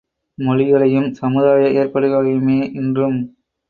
மொழிகளையும், சமுதாய ஏற்பாடுகளையுமே இன்றும்